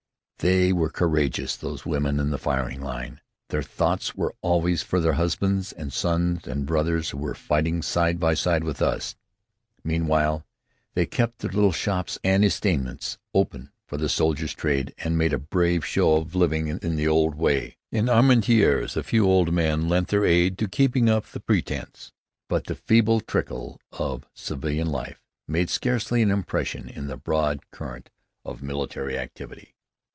They were courageous, those women in the firing line. Their thoughts were always for their husbands and sons and brothers who were fighting side by side with us. Meanwhile, they kept their little shops and estaminets open for the soldiers' trade and made a brave show of living in the old way. In Armentières a few old men lent their aid in keeping up the pretense, but the feeble little trickle of civilian life made scarcely an impression in the broad current of military activity.